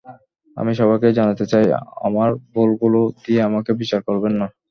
আমি সবাইকে জানাতে চাই, আমার ভুলগুলো দিয়ে আমাকে বিচার করবেন না।